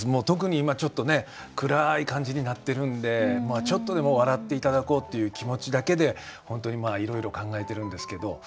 特に今ちょっとね暗い感じになってるんでちょっとでも笑って頂こうっていう気持ちだけで本当にいろいろ考えてるんですけど。